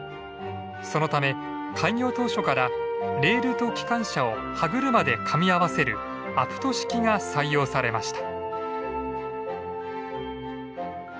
そのため開業当初からレールと機関車を歯車でかみ合わせるアプト式が採用されました。